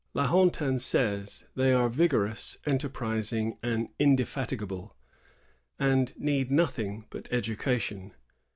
La Hontan says :^^ They are vigorous, enterprising, and indefatigable, and need nothing but education.